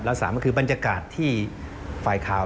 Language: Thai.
และ๓ก็คือบรรยากาศที่ไฟล์ข่าว